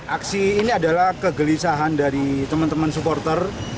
aksi ini adalah kegelisahan dari teman teman supporter